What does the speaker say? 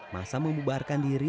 masa membubarkan diri